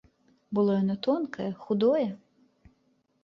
Было яно тонкае, худое.